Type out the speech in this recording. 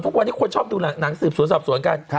ทุกวันนี้คนชอบดูหนังสืบสวนสอบสวนกัน